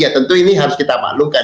ya tentu ini harus kita maklumkan